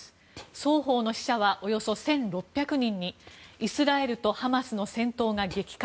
双方の死者はおよそ１６００人にイスラエルとハマスの戦闘が激化。